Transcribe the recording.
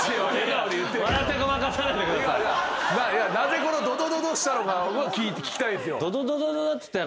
なぜドドドドしたのか聞きたいですよ。